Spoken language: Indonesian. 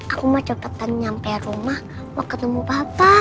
aku mau cepetan nyampe rumah mau ketemu bapak